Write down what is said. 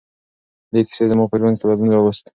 دې کیسې زما په ژوند کې بدلون راوست.